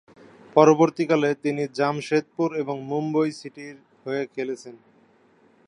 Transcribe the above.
পরবর্তীকালে, তিনি জামশেদপুর এবং মুম্বই সিটির হয়ে খেলেছেন।